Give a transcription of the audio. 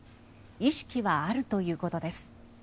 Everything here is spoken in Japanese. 意識はあるということです。